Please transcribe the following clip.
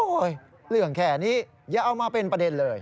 โอ๊ยเหลืองแขนนี้อย่าเอามาเป็นประเด็นเลย